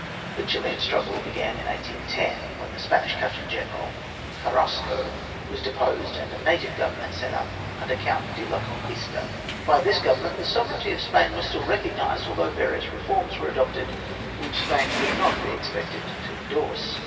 The Chilian struggle began in 1810, when the Spanish captain general, Carrasco, was deposed, and a native government set up under Count de la Conquista. By this government the sovereignty of Spain was still recognised, although various reforms were adopted which Spain could not be expected to endorse.